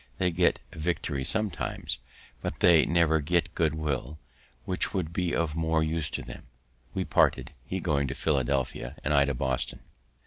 They get victory sometimes, but they never get good will, which would be of more use to them. We parted, he going to Philadelphia, and I to Boston.